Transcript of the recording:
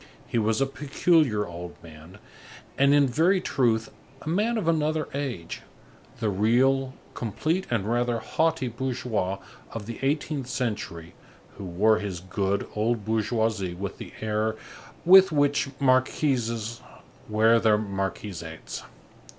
He was a peculiar old man, and in very truth, a man of another age, the real, complete and rather haughty bourgeois of the eighteenth century, who wore his good, old bourgeoisie with the air with which marquises wear their marquisates.